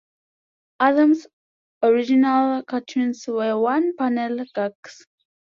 Addams' original cartoons were one-panel gags.